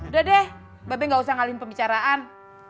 udah deh bebe nggak usah ngalihin pembicaraan